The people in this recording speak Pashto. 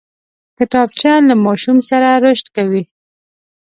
کتابچه له ماشوم سره رشد کوي